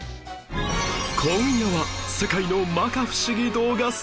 今夜は世界の摩訶不思議動画スペシャル